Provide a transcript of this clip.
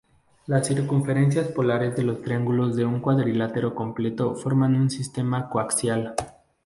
Las circunferencias polares de los triángulos de un cuadrilátero completo forman un sistema coaxial.